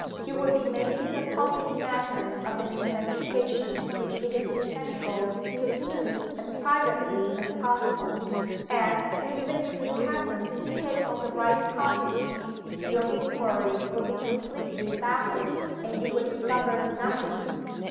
You would be making a public matter of an investigation which it is essential to pursue as privately as possible; and, even if you happened to hit on the right cottage your inquiries would be completely baffled, and you would discover nothing."